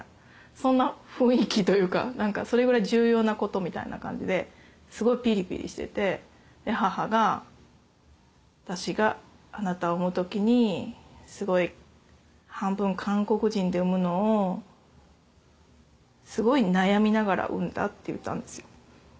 そんな雰囲気というかそれぐらい重要なことみたいな感じですごいピリピリしててで母が「私があなたを産む時に半分韓国人で産むのをすごい悩みながら産んだ」って言ったんですよ。